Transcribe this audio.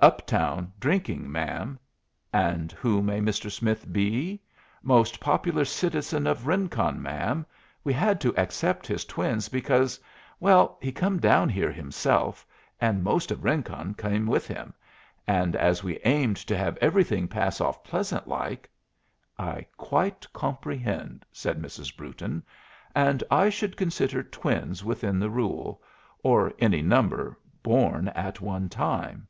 "Uptown, drinking, ma'am." "And who may Mr. Smith be?" "Most popular citizen of Rincon, ma'am. We had to accept his twins because well, he come down here himself, and most of Rincon come with him, and as we aimed to have everything pass off pleasant like " "I quite comprehend," said Mrs. Brewton. "And I should consider twins within the rule; or any number born at one time.